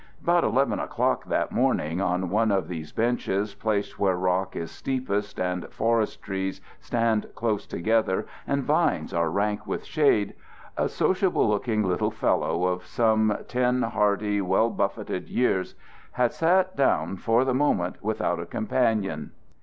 About eleven o'clock that morning, on one of these benches placed where rock is steepest and forest trees stand close together and vines are rank with shade, a sociable looking little fellow of some ten hardy well buffeted years had sat down for the moment without a companion.